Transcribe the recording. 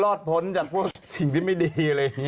พ้นจากพวกสิ่งที่ไม่ดีอะไรอย่างนี้